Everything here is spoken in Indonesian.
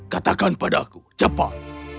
katakan padaku cepat